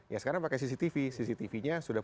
ya sekarang pakai cctv cctv nya sudah